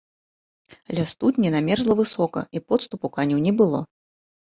Ля студні намерзла высока, і подступу каню не было.